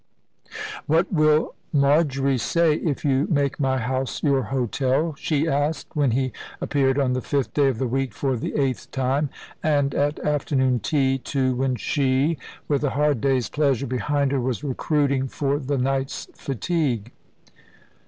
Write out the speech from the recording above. "What will Marjory say if you make my house your hotel?" she asked, when he appeared on the fifth day of the week for the eighth time, and at afternoon tea, too, when she, with a hard day's pleasure behind her, was recruiting for the night's fatigue.